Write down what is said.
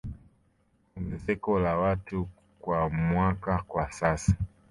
Ongezeko la watu kwa mwaka kwa sasa